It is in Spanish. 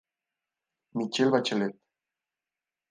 Michelle Bachelet.